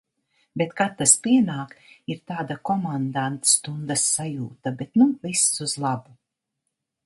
Bet kad tas pienāk, ir tāda komandantstundas sajūta. Bet nu viss uz labu.